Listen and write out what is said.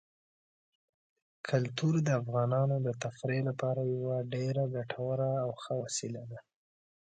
کلتور د افغانانو د تفریح لپاره یوه ډېره ګټوره او ښه وسیله ده.